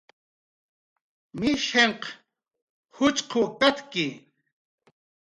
Mishinh juchqw katki